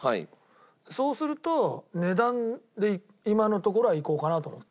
そうすると値段で今のところはいこうかなと思ってる。